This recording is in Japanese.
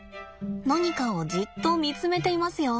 何かをじっと見つめていますよ。